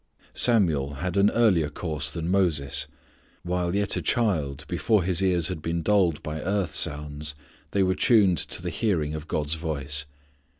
Samuel had an earlier course than Moses. While yet a child before his ears had been dulled by earth sounds they were tuned to the hearing of God's voice.